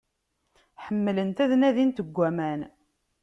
Ḥemmlent ad nadint deg aman.